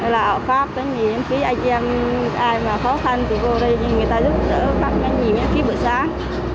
là họ phát bánh mì miễn phí anh em ai mà khó khăn thì vô đây người ta giúp đỡ phát bánh mì miễn phí bữa sáng